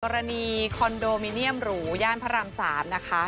กรณีคอนโดมิเนียมหรูย่านพระราม๓นะคะ